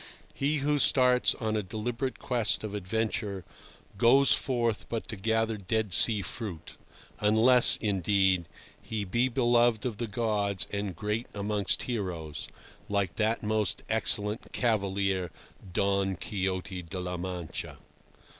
He who starts on a deliberate quest of adventure goes forth but to gather dead sea fruit, unless, indeed, he be beloved of the gods and great amongst heroes, like that most excellent cavalier Don Quixote de la Mancha.